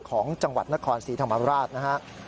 ของจังหวัดนครสีธรรมราช